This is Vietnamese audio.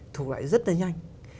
thuộc loại rất là nhanh